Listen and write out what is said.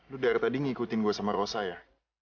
lu dari tadi ngikutin gue sama rosa ya